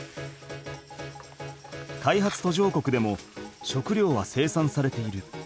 開発途上国でも食料は生産されている。